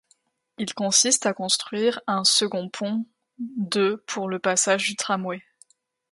Ils consistent à construire un second pont de pour le passage du tramway.